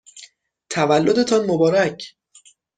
تولدتان مبارک!